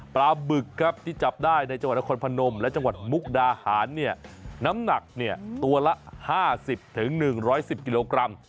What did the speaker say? ปลาบึกครับที่จับได้ในจังหวัดนครพนมและจังหวัดมุกดาหารน้ำหนักตัวละ๕๐๑๑๐กิโลกรัม